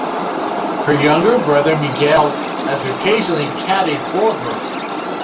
Her younger brother Miguel has occasionally caddied for her.